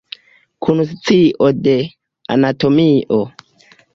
Kun scio de anatomio.